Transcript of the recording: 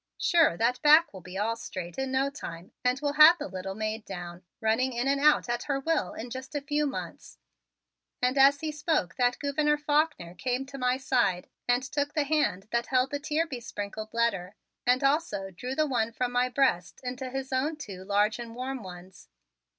Sure that back will be all straight in no time and we'll have the little maid down, running in and out at her will in just a few months," and as he spoke that Gouverneur Faulkner came to my side and took the hand that held the tear besprinkled letter and also drew the one from my breast into his own two large and warm ones.